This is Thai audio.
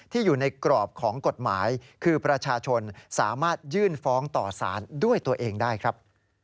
อยู่ในกรอบของกฎหมายคือประชาชนสามารถยื่นฟ้องต่อสารด้วยตัวเองได้ครับ